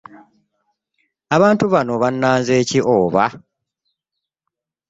Abantu bano bannanze ki oba?